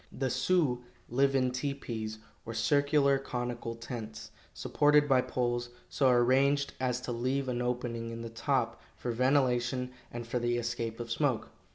The Sioux live in tepees, or circular conical tents, supported by poles, so arranged as to leave an opening in the top for ventilation and for the escape of smoke.